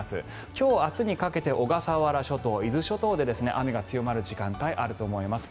今日明日にかけて小笠原諸島、伊豆諸島で雨が強まる時間帯があると思います。